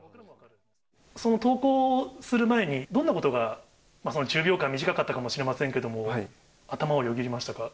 その投稿する前に、どんなことが、その１０秒間、短かったかもしれませんが、頭をよぎりましたか？